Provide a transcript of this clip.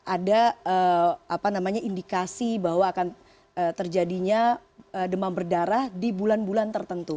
ada indikasi bahwa akan terjadinya demam berdarah di bulan bulan tertentu